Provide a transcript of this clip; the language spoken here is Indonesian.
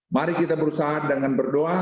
mari kita berusaha dengan berdoa